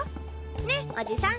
ねおじさん。